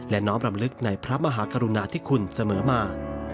และน้อมรำลึกในพระมหากรุณาธิคุณเสมอมา